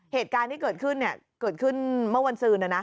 เหตุการณ์ที่เกิดขึ้นเมื่อวันสือ